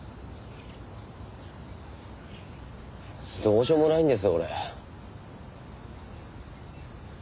どうしようもないんです俺。